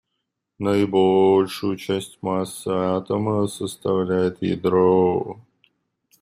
Наибольшую часть массы атома составляет ядро.